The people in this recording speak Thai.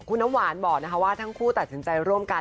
คุณน้ำหวานบอกว่าทั้งคู่ตัดสินใจร่วมกัน